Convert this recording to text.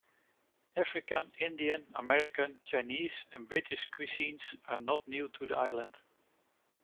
African, Indian, American, Chinese and British cuisines are not new to the island.